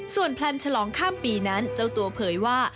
ส่วนแพลนฉลองข้ามปีนั้นเจ้าตัวเผยว่า